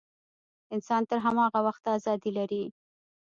انسان تر هماغه وخته ازادي لري.